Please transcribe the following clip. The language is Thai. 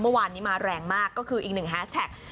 เมื่อวานนี้มาแรงมากก็คืออีกหนึ่งแฮสแท็ก